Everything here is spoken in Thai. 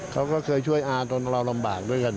เขาก็เคยช่วยอาจนเราลำบากด้วยกัน